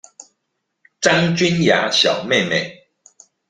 張君雅小妹妹